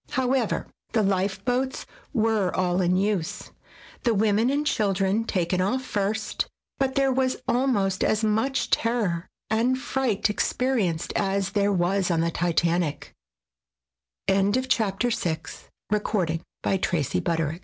However, the lifeboats were all in use, the women and children taken off first, but there was almost as much terror and fright experienced as there was on the Titanic] CHAPTER VII Shipwrecked —